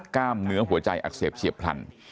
กล้ามเนื้อหัวใจอักเสบเฉียบพลัน